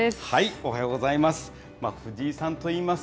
おはようございます。